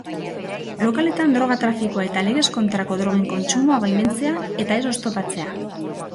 Lokaletan droga trafikoa eta legez kontrako drogen kontsumoa baimentzea eta ez oztopatzea.